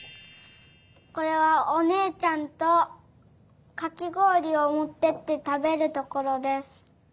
これはおねえちゃんとかきごおりをもってってたべるところです。